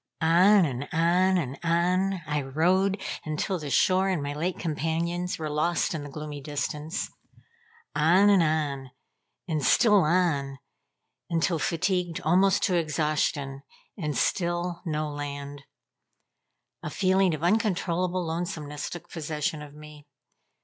On and on, and on I rowed until the shore and my late companions were lost in the gloomy distance. On and on, and still on, until fatigued almost to exhaustion; and still, no land. A feeling of uncontrollable lonesomeness took possession of me.